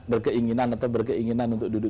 berkeinginan atau berkeinginan untuk duduk